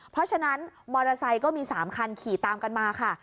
เพราะฉะนั้นมอเตอร์ไซค์ก็มี๓คันขี่ตามกันมาค่ะ